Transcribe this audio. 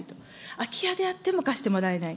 空き家であっても貸してもらえない。